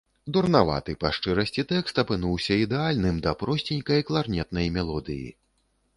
Дурнаваты, па шчырасці, тэкст апынуўся ідэальным да просценькай кларнетнай мелодыі.